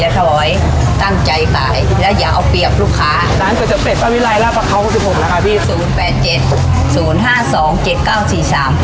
สำหรับใครที่